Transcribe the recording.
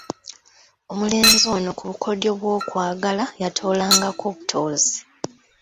Omulenzi ono ku bukodyo bw'okwagala yatoolangako butoozi.